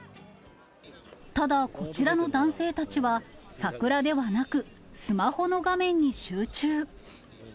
ただ、こちらの男性たちは、桜ではなく、スマホの画面に集中。